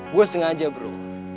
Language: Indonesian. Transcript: gue sengaja bro